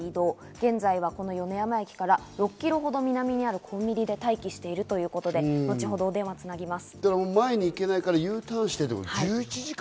現在はこの米山駅から６キロほど南にあるコンビニで待機しているということで、後ほどお電話をつなぎます。